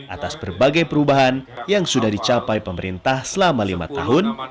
atas berbagai perubahan yang sudah dicapai pemerintah selama lima tahun